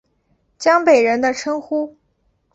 江北人的称呼。